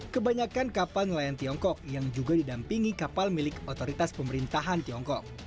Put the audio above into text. kebanyakan kapal nelayan tiongkok yang juga didampingi kapal milik otoritas pemerintahan tiongkok